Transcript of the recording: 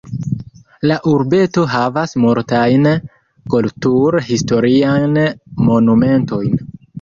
La urbeto havas multajn kultur-historiajn monumentojn.